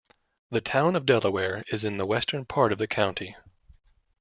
The Town of Delaware is in the western part of the county.